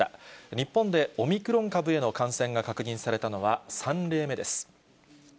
日本でオミクロン株への感染が確認されたのは３例目です。